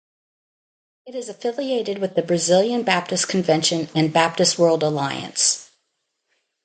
It is affiliated with the Brazilian Baptist Convention and Baptist World Alliance.